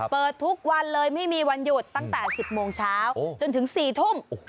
เปิดทุกวันเลยไม่มีวันหยุดตั้งแต่๑๐โมงเช้าจนถึง๔ทุ่ม